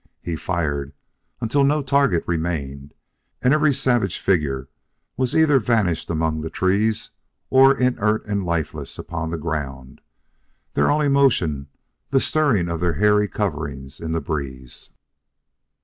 He fired until no target remained, and every savage figure was either vanished among the trees or inert and lifeless upon the ground, their only motion the stirring of their hairy coverings in the breeze.